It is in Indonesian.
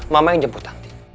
mama yang jemput tanti